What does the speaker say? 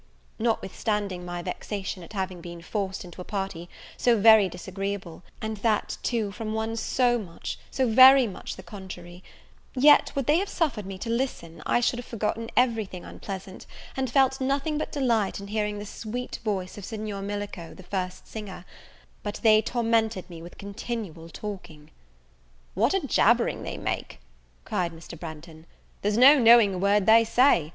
Notwithstanding my vexation at having been forced into a party so very disagreeable, and that, too, from one so much so very much the contrary yet, would they have suffered me to listen, I should have forgotten every thing unpleasant, and felt nothing but delight in hearing the sweet voice of Signor Millico, the first singer; but they tormented me with continual talking. "What a jabbering they make!" cried Mr. Branghton, "there's no knowing a word they say.